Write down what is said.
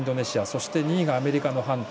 そして、２位がアメリカのハント。